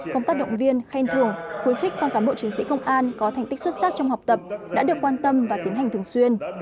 công tác động viên khen thường khuyến khích các cán bộ chiến sĩ công an có thành tích xuất sắc trong học tập đã được quan tâm và tiến hành thường xuyên